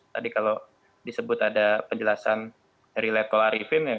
tadi kalau disebut ada penjelasan dari letkol arifin ya